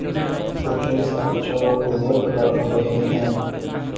بچوں کے ساتھ اچھا وقت گذار رہے ہیں